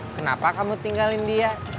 kenapa kamu tinggalin dia